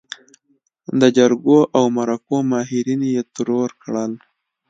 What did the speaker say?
د جرګو او مرکو ماهرين يې ترور کړل.